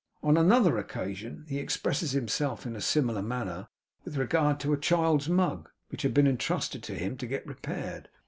On another occasion he expresses himself in a similar manner with regard to a child's mug which had been entrusted to him to get repaired.